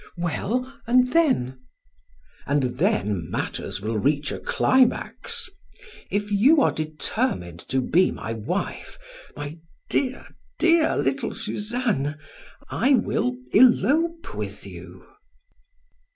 "Well, and then " "And then matters will reach a climax! If you are determined to be my wife, my dear, dear, little Suzanne, I will elope with you."